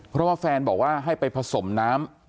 เพราะว่าแฟนบอกว่าให้ไปผสมน้ำ